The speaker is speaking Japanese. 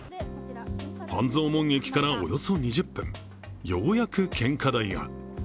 半蔵門駅からおよそ２０分、ようやく献花台が。